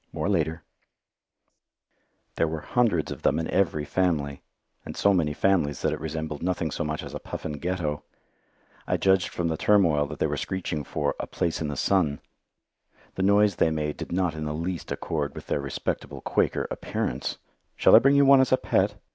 More later. [Illustration: A PUFFIN GHETTO] There were hundreds of them in every family, and so many families that it resembled nothing so much as a puffin ghetto. I judged from the turmoil that they were screeching for "a place in the sun." The noise they made did not in the least accord with their respectable Quaker appearance. Shall I bring you one as a pet?